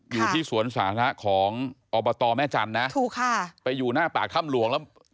อยู่ที่สวนสาธารณะของอบตแม่จันทร์นะถูกค่ะไปอยู่หน้าปากถ้ำหลวงแล้ว